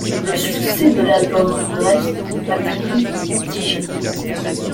Le succès de l'album reste, malgré tout, mitigé.